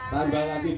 tambah lagi dua